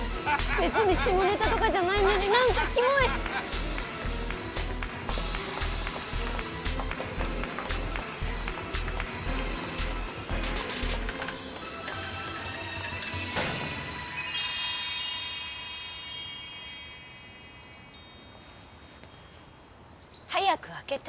別に下ネタとかじゃないのになんかキモい！早く開けて！